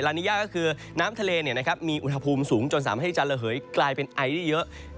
นิยาก็คือน้ำทะเลมีอุณหภูมิสูงจนสามารถให้จะระเหยกลายเป็นไอได้เยอะ